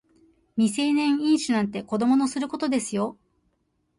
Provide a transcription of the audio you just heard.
未成年飲酒なんて子供のすることですよ